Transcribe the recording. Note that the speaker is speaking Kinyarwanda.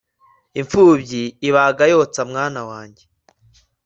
impfubyi ibaga yotsa mwana wanjye